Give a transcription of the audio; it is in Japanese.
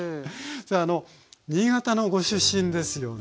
さああの新潟のご出身ですよね？